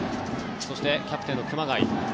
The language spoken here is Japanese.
そして、キャプテンの熊谷。